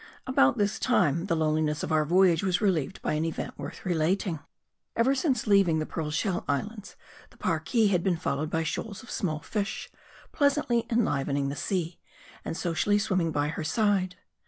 ABOUT this time, the loneliness of our voyage was relieved by an event worth relating. Ever since leaving the Pearl Shell Islands, the Parki had been followed by shoals of small fish, pleasantly enlivening the sea, and socially swimming by her side.